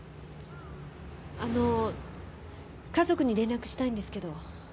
あの家族に連絡したいんですけど。